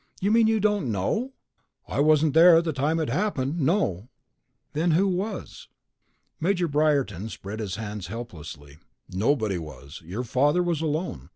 "You mean you don't know?" "I wasn't there at the time it happened, no." "Then who was?" Major Briarton spread his hands helplessly. "Nobody was. Your father was alone.